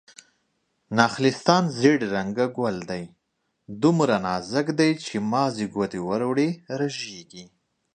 نخلستان: زيړ رنګه ګل دی، دومره نازک دی چې مازې ګوتې ور وړې رژيږي